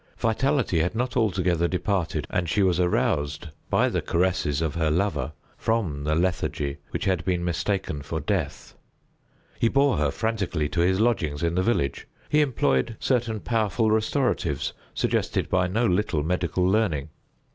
Vitality had not altogether departed, and she was aroused by the caresses of her lover from the lethargy which had been mistaken for death. He bore her frantically to his lodgings in the village. He employed certain powerful restoratives suggested by no little medical learning.